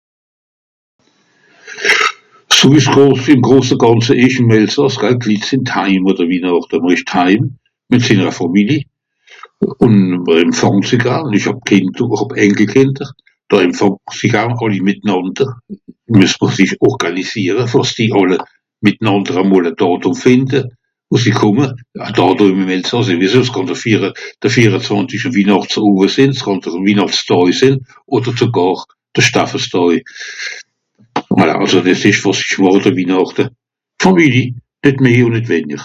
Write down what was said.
(...) ìm grose gànze ìsch ìm Elsàss, hein, d'Litt sìn d'heim àn de Wihnàchte, mr ìsch dheim, mìt sinnera Fàmili, ùn empfàng sie garn, ìch hàb Kìnder ù hàb Enkelkìnder. Da Empfànge mr sie garn, àlli mìtnànder. Mues mr sich orgànisiere, fer àss sie àlle mìtnànder e mol e Dàtùm fìnde, wo sie kùmme. E Dàtùm ìm Elsàss, ìhr wisse es kànn de viere... de vierezwànzisch àn Wihnàchtsowe sìnn, es kànn de Wihnàchtsdàj sìnn odder sogàr de (...)dàj. Voilà àlso dìs ìsch wàs ìch màch àn de Wihnàchte. Fàmili, nìt meh ùn nìt wenjer.